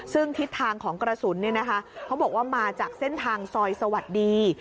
ซึ่งทิศทางของกระสุนเขาบอกว่ามาจากเส้นทางซอยสวัสดี